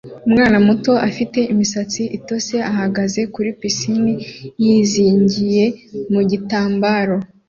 umwana muto afite imisatsi itose ihagaze kuri pisine yizingiye mu gitambaro